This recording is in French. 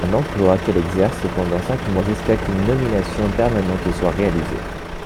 Un emploi qu’elle exerce pendant cinq mois jusqu'à ce qu'une nomination permanente soit réalisée.